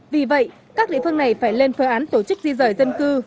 vì vậy các địa phương này phải lên phương án tổ chức di dọa